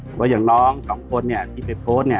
เพราะว่าอย่างน้องสองคนเนี่ยที่ไปโพสต์เนี่ย